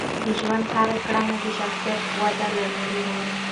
د ژوند هره کړنه د شخصیت ودې لامل ده.